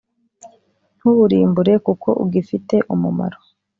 ” Ntuwurimbure kuko ugifite umumaro